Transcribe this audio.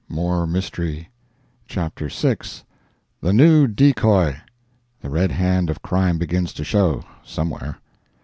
—more mystery. Chapter VI.—"The New Decoy!"—the red hand of crime begins to show—somewhere.